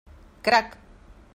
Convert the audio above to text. Crac!